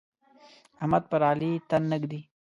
احمد پر علي تن نه ږدي.